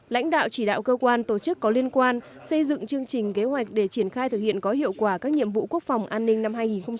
lãnh đạo chỉ đạo cơ quan tổ chức có liên quan xây dựng chương trình kế hoạch để triển khai thực hiện có hiệu quả các nhiệm vụ quốc phòng an ninh năm hai nghìn hai mươi